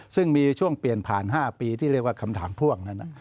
ซึ่งมีช่วงเปลี่ยนผ่าน๕ปีที่เรียกว่าคำถามพ่วงนั้น